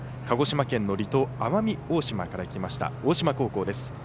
鹿児島県の離島奄美大島から来ました大島高校です。